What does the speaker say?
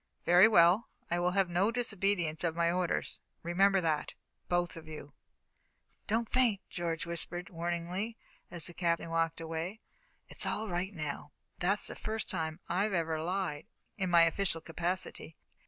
"Very well. I will have no disobedience of my orders remember that, both of you." "Don't faint," George whispered, warningly, as the Captain walked away. "It's all right now, but that's the first time I ever lied in my official capacity."